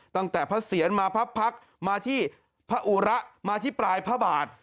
ตั้งแต่พระเสียรมาพักมาที่พระอุระมาที่ปลายพระบาท